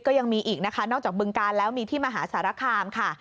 ก็ยังมีอีกนะคะนอกจากบึงการแล้วมีที่มหาสารคามค่ะ